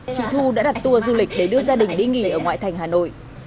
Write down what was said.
chị thu đã đặt tour du lịch để đưa gia đình đi nghỉ ở ngoại thành hà nội